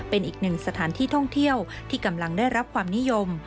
เป็นอีกหนึ่งสถานที่ท่องเที่ยวที่กำลังได้รับความนิยม